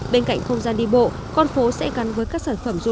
bên cạnh không gian đi bộ con phố sẽ gắn với các sản phẩm